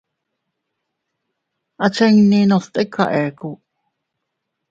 Achinninnu stika ekku.